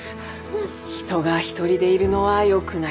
「人が一人でいるのはよくない」。